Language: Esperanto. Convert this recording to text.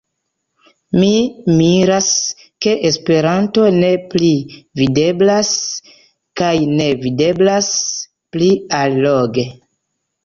Mi miras, ke Esperanto ne pli videblas, kaj ne videblas pli alloge.